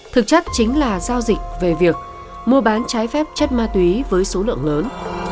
thực chất chính là giao dịch về việc mua bán trái phép chất ma túy với số lượng lớn